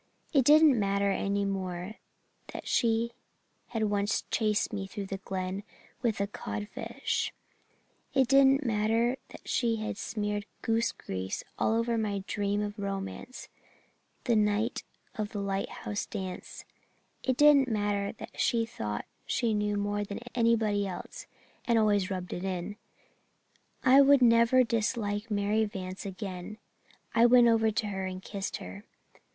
It didn't matter any more that she had once chased me through the Glen with a codfish; it didn't matter that she had smeared goose grease all over my dream of romance the night of the lighthouse dance; it didn't matter that she thought she knew more than anybody else and always rubbed it in I would never dislike Mary Vance again. I went over to her and kissed her.